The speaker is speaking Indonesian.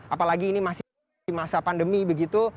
apalagi ini masih di masa pandemi begitu